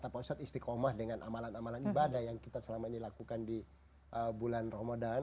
pak ustadz istiqomah dengan amalan amalan ibadah yang kita selama ini lakukan di bulan ramadan